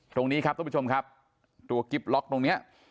ตรงนี้ครับทุกผู้ชมครับตัวกิ๊บล็อกตรงเนี้ย